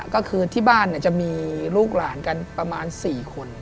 ก็คือที่บ้านจะมีลูกหลานกันประมาณ๔คน